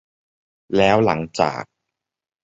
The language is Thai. แล้วหลังจาก